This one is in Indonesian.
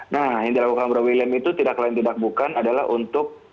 nah yang dilakukan bro william itu tidak lain tidak bukan adalah untuk